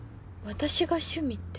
私が趣味って？